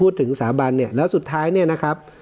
สถาบันเนี่ยแล้วสุดท้ายเนี่ยนะครับ